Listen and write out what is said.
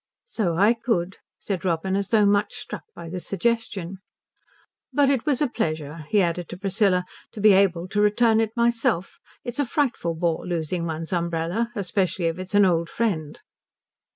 "So I could," said Robin, as though much struck by the suggestion. "But it was a pleasure," he added to Priscilla, "to be able to return it myself. It's a frightful bore losing one's umbrella especially if it's an old friend."